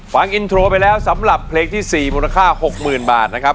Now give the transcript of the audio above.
ฟังอินโทรไปแล้วสำหรับเพลงที่๔มูลค่า๖๐๐๐บาทนะครับ